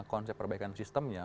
konsep perbaikan sistemnya